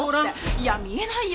いや見えないよ。